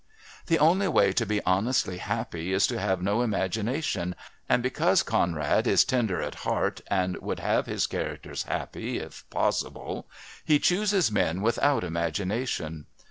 The only way to be honestly happy is to have no imagination and, because Conrad is tender at heart and would have his characters happy, if possible, he chooses men without imagination.